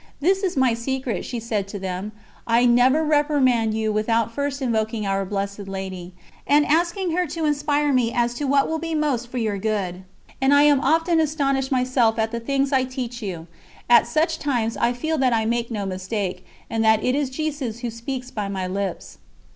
"This is my secret," she said to them: "I never reprimand you without first invoking Our Blessed Lady, and asking her to inspire me as to what will be most for your good, and I am often astonished myself at the things I teach you. At such times I feel that I make no mistake, and that it is Jesus Who speak by my lips."